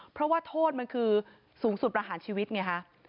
เพราะว่าโทษมันคือสูงสุดประหารชีวิตไงคะ